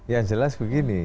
yang jelas begini